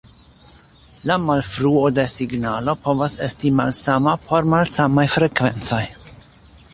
La malfruo de signalo povas esti malsama por malsamaj frekvencoj.